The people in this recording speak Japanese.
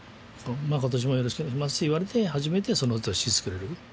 今年もよろしくお願いしますと言われて初めてその年に作れる。